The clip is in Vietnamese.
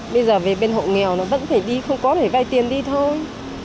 bây giờ về bên hộ nghèo nó vẫn có thể đi không có thể vai tiền đi thôi